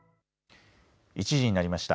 １時になりました。